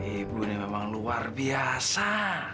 ibu ini memang luar biasa